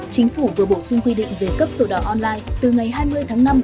chính phủ vừa bổ sung quy định về cấp sổ đỏ online từ ngày hai mươi tháng năm